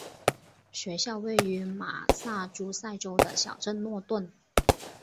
学校位于马萨诸塞州的小镇诺顿。